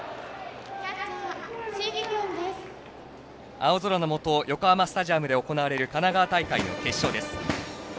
青空のもと、横浜スタジアムで行われる神奈川大会の決勝です。